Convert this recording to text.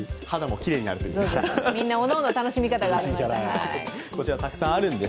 みんなおのおの、楽しみ方がありますね。